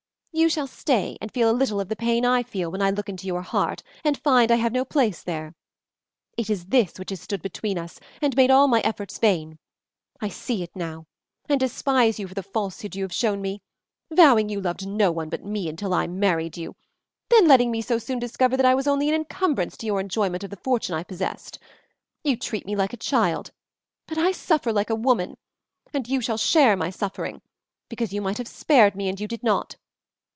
you shall stay and feel a little of the pain I feel when I look into your heart and find I have no place there. It is this which has stood between us and made all my efforts vain. I see it now and despise you for the falsehood you have shown me, vowing you loved no one but me until I married you, then letting me so soon discover that I was only an encumbrance to your enjoyment of the fortune I possessed. You treat me like a child, but I suffer like a woman, and you shall share my suffering, because you might have spared me, and you did not.